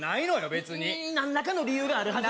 別に何らかの理由があるはず